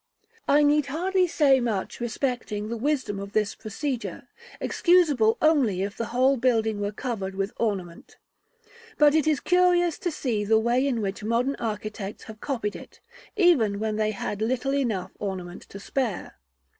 I need hardly say much respecting the wisdom of this procedure, excusable only if the whole building were covered with ornament; but it is curious to see the way in which modern architects have copied it, even when they had little enough ornament to spare.